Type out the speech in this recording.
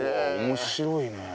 面白いね。